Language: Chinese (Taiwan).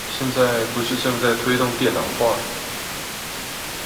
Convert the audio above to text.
現在不是正在推動電腦化？